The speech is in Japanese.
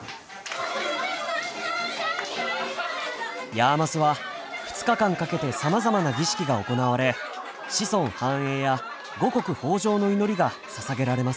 ヤーマスは２日間かけてさまざまな儀式が行われ子孫繁栄や五穀豊穣の祈りがささげられます。